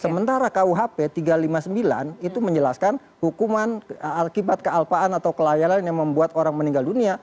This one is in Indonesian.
sementara kuhp tiga ratus lima puluh sembilan itu menjelaskan hukuman akibat kealpaan atau kelayaran yang membuat orang meninggal dunia